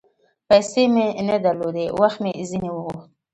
پیسې مې نه درلودې ، وخت مې ځیني وغوښت